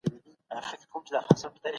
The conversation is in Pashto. د انسان ازادي باید خوندي وي.